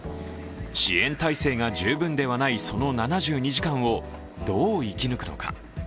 支援態勢が十分ではないその７２時間をどう生き抜くのか。